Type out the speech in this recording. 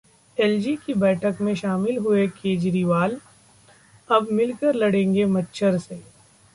LG की बैठक में शामिल हुए केजरीवाल, अब मिलकर लड़ेंगे मच्छर से